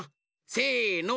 せの。